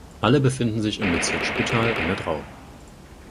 Alle befinden sich im Bezirk Spittal an der Drau.